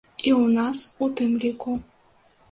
І ў нас у тым ліку.